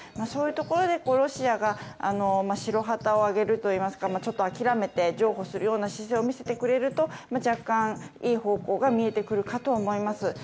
そういうところでロシアが白旗を揚げるといいますかちょっと諦めて譲歩するという姿勢を見せてくれると、若干いい方向が見えてくるかと思います。